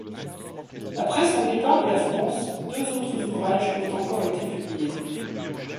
Après son départ de la France, deux autres ouvrages ont encore été publiés.